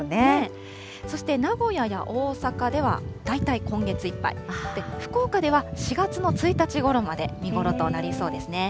そして名古屋や大阪では大体今月いっぱい、福岡では４月の１日ごろまで見頃となりそうですね。